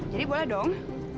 jadi boleh dong